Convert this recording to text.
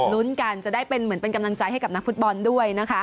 ลุ้นกันจะได้เป็นเหมือนเป็นกำลังใจให้กับนักฟุตบอลด้วยนะคะ